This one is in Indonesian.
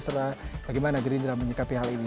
serta bagaimana gerindra menyikapi hal ini